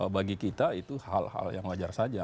bagi kita itu hal hal yang wajar saja